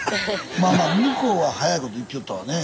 まあまあ向こうは早いとこいきよったわねえ。